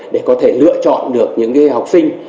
để có thể lựa chọn được những học sinh